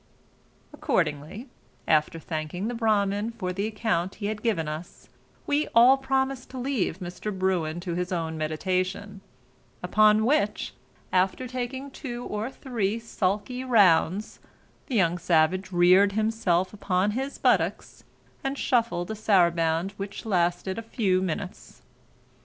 Accordingly after thanking the Bramin for the account he had given us, we all promised to leave Mr. Bruin to his own meditation; upon which, after taking two or three sulkey rounds, the young savage reared himself upon his buttocks, and shuffled a saraband which lasted a few minutes.